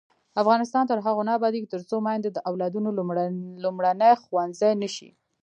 افغانستان تر هغو نه ابادیږي، ترڅو میندې د اولادونو لومړنی ښوونځی نشي.